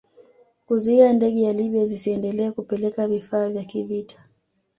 Kuzuia ndege za Libya zisiendelee kupeleka vifaa vya kivita